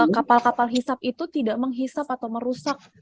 kapal kapal hisap itu tidak menghisap atau merusak